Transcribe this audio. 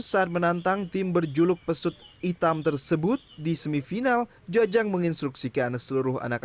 saat menantang tim berjuluk pesut hitam tersebut di semifinal jajang menginstruksikan seluruh anak